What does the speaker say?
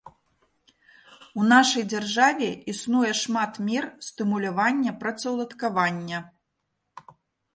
У нашай дзяржаве існуе шмат мер стымулявання працаўладкавання.